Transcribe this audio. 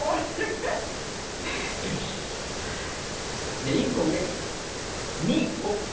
じゃあ１個上２位。